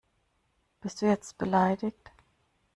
Bist du jetzt beleidigt?